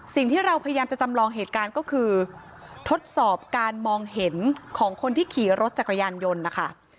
สิ่งที่เราพยายามจะจำลองเหตุการณ์ก็คือทดสอบการมองเห็นของคนที่ขี่รถจักรยานยนต์นะคะ